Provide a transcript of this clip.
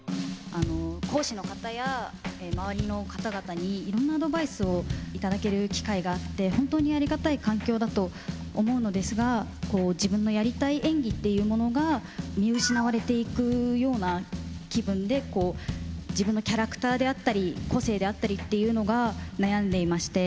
講師の方や、周りの方々に、いろんなアドバイスを頂ける機会があって、本当にありがたい環境だと思うのですが、自分のやりたい演技っていうものが、見失われていくような気分で、自分のキャラクターであったり、個性であったりっていうのが、悩んでいまして。